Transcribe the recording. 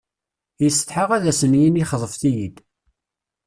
Yessetḥa ad sen-yini xeḍbet-iyi-d.